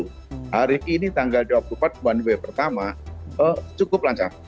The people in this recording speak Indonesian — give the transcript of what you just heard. hari ini tanggal dua puluh empat one way pertama cukup lancar